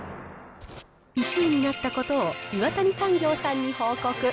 １位になったことを、岩谷産業さんに報告。